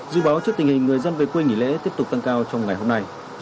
dự báo trước tình hình người dân về quê nghỉ lễ tiếp tục tăng cao trong ngày hôm nay